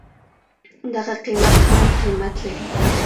دغه قيمت هم قيمت لري.